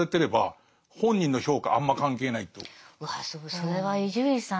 それは伊集院さん